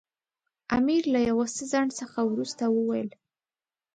امیر له یو څه ځنډ څخه وروسته وویل.